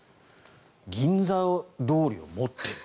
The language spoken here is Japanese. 銀座通りを持っている。